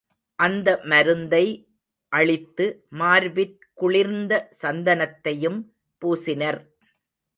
அந்த மருந்தை அளித்து மார்பிற் குளிர்ந்த சந்தனத்தையும் பூசினர்.